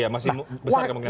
masih besar kemungkinan terjadi